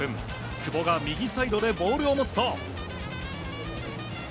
久保が右サイドでボールを持つと。